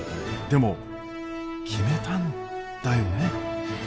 でも決めたんだよね？